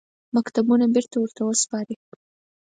مکتوبونه بېرته ورته وسپاري.